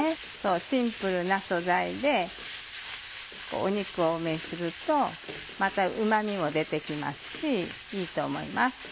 シンプルな素材で肉を多めにするとまたうま味も出て来ますしいいと思います。